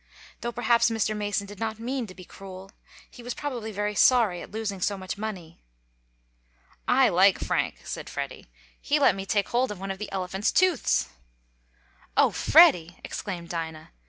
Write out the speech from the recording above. Though perhaps Mr. Mason did not mean to be cruel. He was probably very sorry at losing so much money." "I like Frank," said Freddie. "He let me, take hold of one of the elephant's tooths." "Oh, Freddie!" exclaimed Dinah.